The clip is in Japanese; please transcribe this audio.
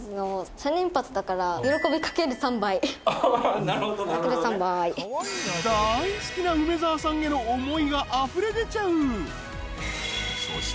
３倍大好きな梅沢さんへの思いがあふれ出ちゃうそして